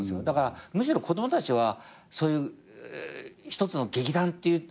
だからむしろ子供たちはそういう１つの劇団っていう。